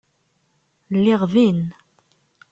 Lliɣ din.